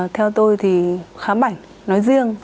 theo tôi thì khá bảnh nói riêng